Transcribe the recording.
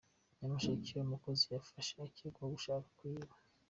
Nyamasheke Umukozi yafashwe akekwaho gushaka kuyiba